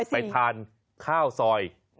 ไปทานข้าวซอย